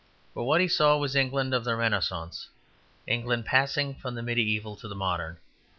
For what he saw was England of the Renascence; England passing from the mediæval to the modern.